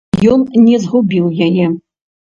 Ён не згубіў яе.